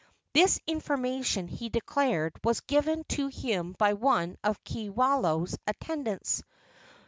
This information, he declared, was given to him by one of Kiwalao's attendants.